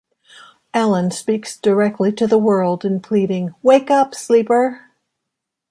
Allan speaks directly to the world in pleading Wake up, sleeper!